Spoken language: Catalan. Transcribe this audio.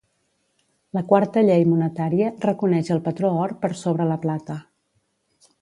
La Quarta Llei Monetària reconeix el patró or per sobre la plata.